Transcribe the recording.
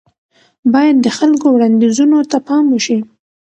بايد د خلکو وړانديزونو ته پام وشي.